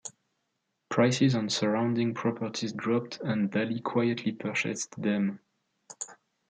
Prices on surrounding properties dropped and Daly quietly purchased them.